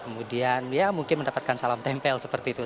kemudian ya mungkin mendapatkan salam tempel seperti itu